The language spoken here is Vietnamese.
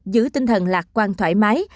giữ tinh thần lạc quan thoải mái